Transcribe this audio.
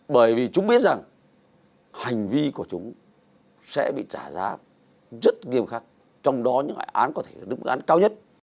bởi vì chúng biết rằng hành vi của chúng sẽ bị trả giá rất nghiêm khắc trong đó những loại án có thể là những loại án cao nhất